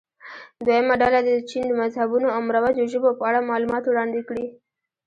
دویمه ډله دې د چین مذهبونو او مروجو ژبو په اړه معلومات وړاندې کړي.